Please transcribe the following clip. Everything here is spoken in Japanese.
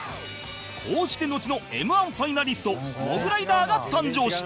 こうしてのちの Ｍ−１ ファイナリストモグライダーが誕生した